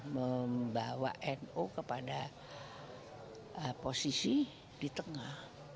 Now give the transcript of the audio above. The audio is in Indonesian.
membawa nu kepada posisi di tengah